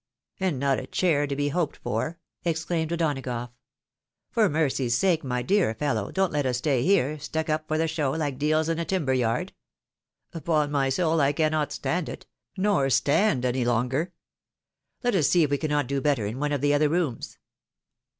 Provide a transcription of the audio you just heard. " And not a chair to be hoped for !" exclaimed O'Dona gough. " For mercy's sake, my dear fellow, don't let us stay here, stuck up for show, like deals in a timber yard. Upon my soul I cannot stand it — nor stand any longer. Let us see if we cannot do better in one of the other rooms."